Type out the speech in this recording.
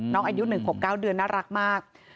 อายุ๑ขวบ๙เดือนน่ารักมาก